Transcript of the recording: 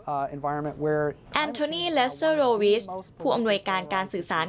แอนโทนี่เลสเตอร์โรวิสผู้อำนวยการการสื่อสาร